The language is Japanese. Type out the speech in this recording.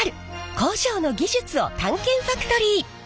工場の技術を探検ファクトリー！